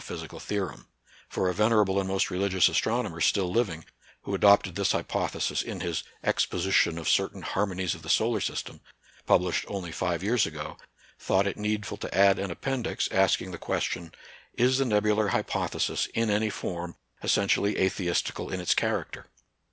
7 physical theorem; for a venerable and most religious astronomer, still living, who adopted this hypothesis in his "Exposition of certain Harmonies of the Solar System," published only five years ago, thought it needful to add an appendix, asking the question, " Is the nebular hypothesis, in any form, essentially atheistical in its character